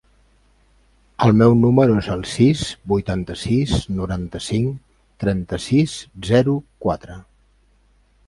El meu número es el sis, vuitanta-sis, noranta-cinc, trenta-sis, zero, quatre.